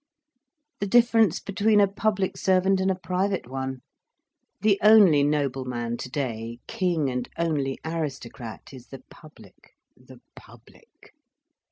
"The difference between a public servant and a private one. The only nobleman today, king and only aristocrat, is the public, the public.